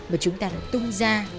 mà chúng ta đã tung ra